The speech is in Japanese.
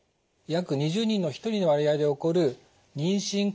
約２０人に１人の割合で起こる妊娠